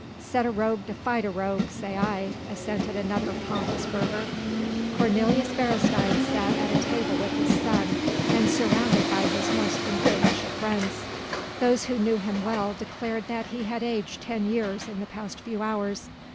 "Set a rogue to fight a rogue, say I," assented another pompous burgher. Cornelius Beresteyn sat at a table with his son and surrounded by his most influential friends. Those who knew him well declared that he had aged ten years in the past few hours.